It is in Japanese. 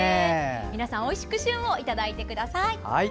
皆さん、おいしく旬をいただいてください。